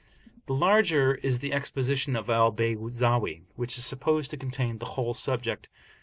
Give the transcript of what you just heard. The larger is the Exposition of Al Bayzawi, which is supposed to contain the whole subject.